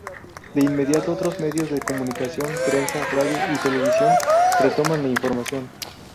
De inmediato otros medios de comunicación, prensa, radio y televisión retoman la información.